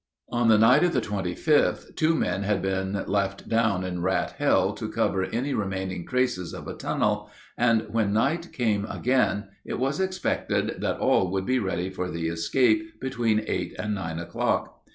On the night of the 25th two men had been left down in Rat Hell to cover any remaining traces of a tunnel, and when night came again it was expected that all would be ready for the escape between eight and nine o'clock.